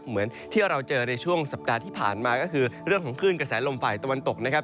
เหมือนที่เราเจอในช่วงสัปดาห์ที่ผ่านมาก็คือเรื่องของคลื่นกระแสลมฝ่ายตะวันตกนะครับ